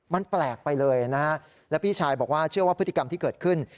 มันแปลกไปเลยนะฮะแล้วพี่ชายบอกว่าเชื่อว่าพฤติกรรมที่เกิดขึ้น